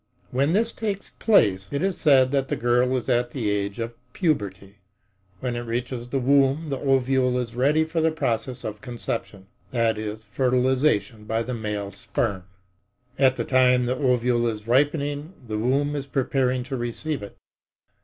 When this takes place, it is said that the girl is at the age of puberty. When it reaches the womb the ovule is ready for the process of conception—that is, fertilization by the male sperm.At the time the ovule is ripening, the womb is preparing to receive it.